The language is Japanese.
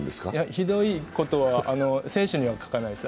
ひどいことは、選手には書かないです。